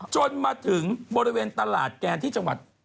จนมาถึงบริเวณตลาดแกนที่จังหวัด